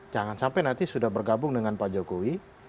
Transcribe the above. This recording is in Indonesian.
jangan sampai nanti sudah bergabung dengan pak jokowi